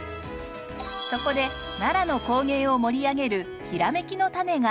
そこで奈良の工芸を盛り上げるヒラメキのタネが。